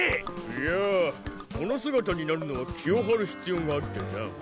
いやこの姿になるのは気を張る必要があってさ。